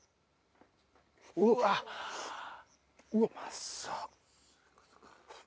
うわっうまそう。